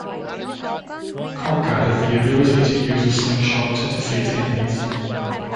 Conker has the ability to use a slingshot to defeat enemies.